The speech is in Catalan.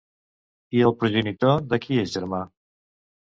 I el progenitor, de qui és germà?